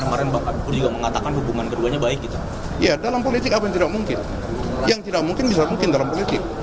apa yang tidak mungkin yang tidak mungkin bisa mungkin dalam politik